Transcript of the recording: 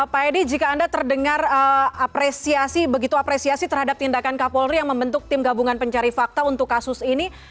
pak edi jika anda terdengar apresiasi begitu apresiasi terhadap tindakan kapolri yang membentuk tim gabungan pencari fakta untuk kasus ini